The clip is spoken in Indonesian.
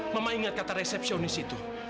mama ingat kata resepsionis itu